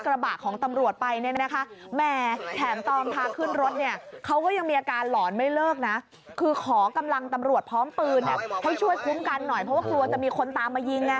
ครับให้ช่วยคุ้มกันหน่อยเพราะว่ากลัวจะมีคนตามมายิง